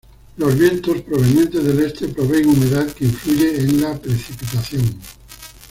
Los vientos provenientes del este proveen humedad que influye en la precipitación.